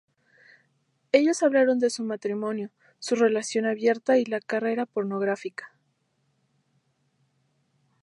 Ellos hablaron de su matrimonio, su relación abierta y la carrera pornográfica.